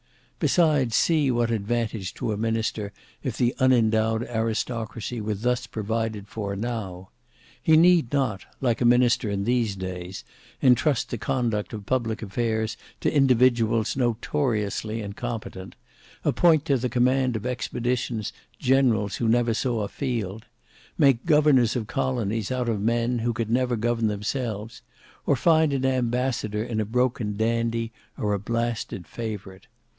Besides see what advantage to a minister if the unendowed aristocracy were thus provided for now. He need not, like a minister in these days, entrust the conduct of public affairs to individuals notoriously incompetent, appoint to the command of expeditions generals who never saw a field, make governors of colonies out of men who never could govern themselves, or find an ambassador in a broken dandy or a blasted favourite.